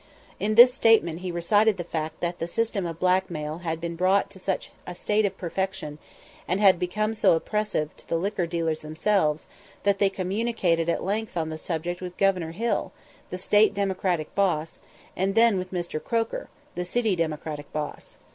In this statement he recited the fact that the system of blackmail had been brought to such a state of perfection, and had become so oppressive to the liquor dealers themselves, that they communicated at length on the subject with Governor Hill (the State Democratic boss) and then with Mr. Croker (the city Democratic boss).